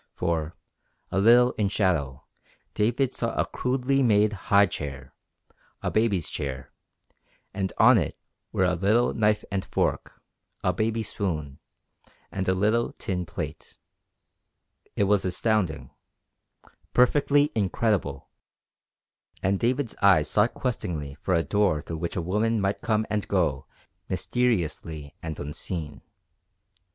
For, a little in shadow, David saw a crudely made high chair a baby's chair and on it were a little knife and fork, a baby spoon, and a little tin plate. It was astounding. Perfectly incredible. And David's eyes sought questingly for a door through which a woman might come and go mysteriously and unseen.